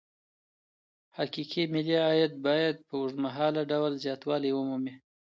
حقيقي ملي عايد بايد په اوږدمهاله ډول زياتوالی ومومي.